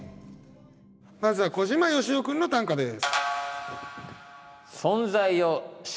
まずは小島よしお君の短歌です。